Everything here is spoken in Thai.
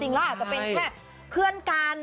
เราอาจจะเป็นแค่เพื่อนกัน